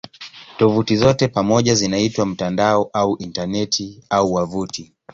Tovuti zote pamoja zinaitwa "mtandao" au "Intaneti" au "wavuti".